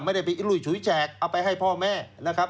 ไม่ได้ไปลุยฉุยแฉกเอาไปให้พ่อแม่นะครับ